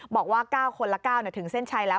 บอกว่า๙คนละ๙ถึงเส้นชัยแล้ว